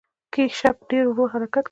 کیشپ ډیر ورو حرکت کوي